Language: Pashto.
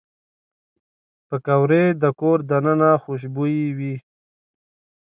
پکورې د کور دننه خوشبويي وي